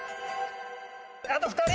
あと２人！